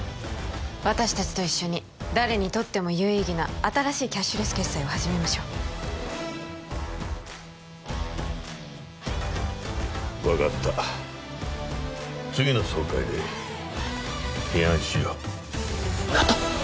私達と一緒に誰にとっても有意義な新しいキャッシュレス決済を始めましょう分かった次の総会で提案しようやった！